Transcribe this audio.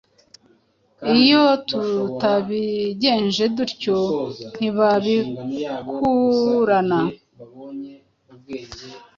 iyo tutabigenje dutyo ntibabikurana